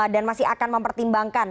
dan masih akan mempertimbangkan